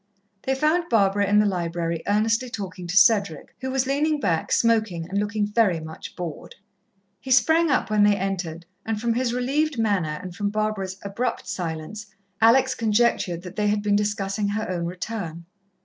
They found Barbara in the library, earnestly talking to Cedric, who was leaning back, smoking and looking very much bored. He sprang up when they entered, and from his relieved manner and from Barbara's abrupt silence, Alex conjectured that they had been discussing her own return.